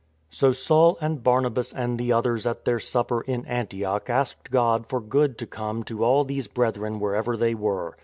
So Saul and Barnabas and the others at their Sup per in Antioch asked God for good to come to all these Brethren wherever they were.